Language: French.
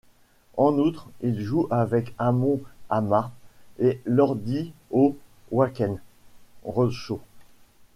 En outre, ils jouent avec Amon Amarth et Lordi au Wacken Roadshow.